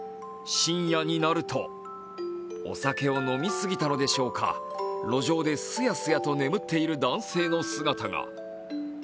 深夜になるとお酒を飲み過ぎたのでしょうか、路上ですやすやと眠っている男性の姿が。